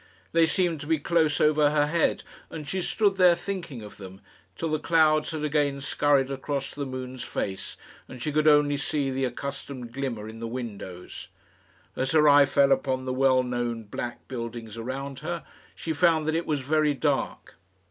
They seemed to be close over her head, and she stood there thinking of them, till the clouds had again skurried across the moon's face, and she could only see the accustomed glimmer in the windows. As her eye fell upon the well known black buildings around her, she found that it was very dark.